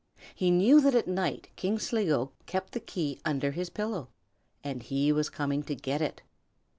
He knew that at night King Sligo kept the key under his pillow, and he was coming to get it.